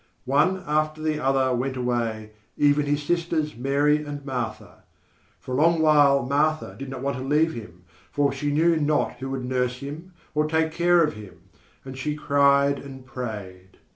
One after the other went away, even his sisters, Mary and Martha. For a long while Martha did not want to leave him, for she knew not who would nurse him or take care of him; and she cried and prayed.